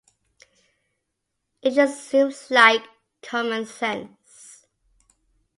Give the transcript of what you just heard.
It just seems like common sense.